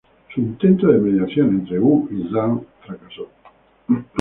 Su intento de mediación entre Wu y Zhang fracasó.